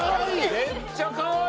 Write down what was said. めっちゃかわいい！